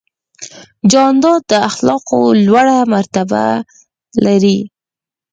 جانداد د اخلاقو لوړه مرتبه لري.